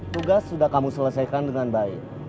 tugas sudah kamu selesaikan dengan baik